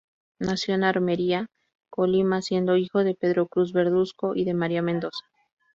Nació en Armería, Colima siendo hijo de Pedro Cruz Verduzco y de María Mendoza.